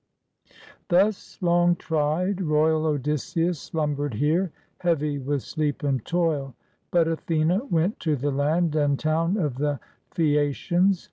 ] Thus long tried royal Odysseus slumbered here, heavy with sleep and toil; but Athene went to the land and town of the Phaeacians.